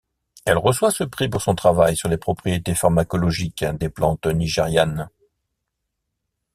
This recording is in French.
Elle reçoit ce prix pour son travail sur les propriétés pharmacologiques des plantes nigérianes.